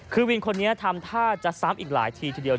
คือวินคนนี้ทำท่าจะซ้ำอีกหลายทีทีเดียว